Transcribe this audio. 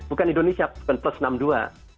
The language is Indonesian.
bukan indonesia bukan plus enam puluh dua